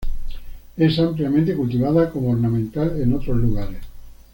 Es ampliamente cultivada como ornamental en otros lugares.